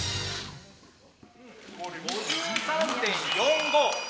５３．４５。